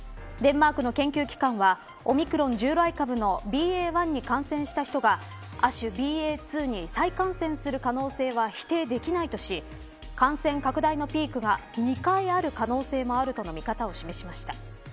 デンマークの研究機関はオミクロン従来株のＢＡ．１に感染した人が亜種ＢＡ．２に再感染する可能性は否定できないとし感染拡大のピークが２回ある可能性もあるとの見方を示しました。